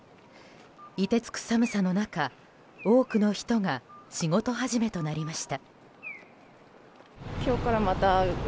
凍てつく寒さの中、多くの人が仕事始めとなりました。